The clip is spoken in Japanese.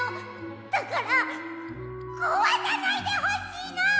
だからこわさないでほしいの！